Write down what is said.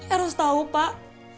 eros tahu pak